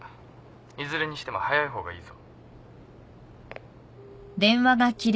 いずれにしても早いほうがいいぞ。